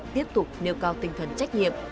tiếp tục nêu cao tinh thần trách nhiệm